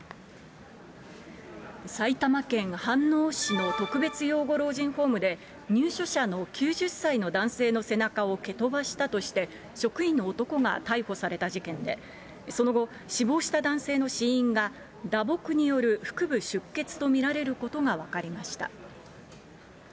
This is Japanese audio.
埼玉県飯能市の特別養護老人ホームで、入所者の９０歳の男性の背中を蹴飛ばしたとして、職員の男が逮捕された事件で、その後、死亡した男性の死因が、打撲による腹部出血と見られることが分かりました。